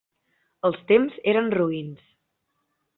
Els temps eren roïns.